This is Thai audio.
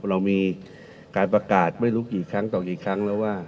เรามีการประกาศไม่รู้กี่ครั้งต่อกี่ครั้งแล้วว่า